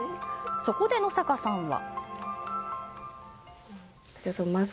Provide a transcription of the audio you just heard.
そこで、野坂さんは。